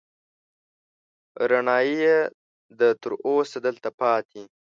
رڼايي يې ده، تر اوسه دلته پاتې